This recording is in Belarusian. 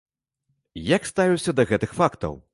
Як ставіўся да гэтых фактаў?